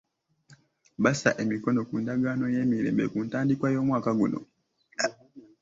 Bassa emikono ku ndagaano y'emirembe ku ntandikwa y'omwaka guno.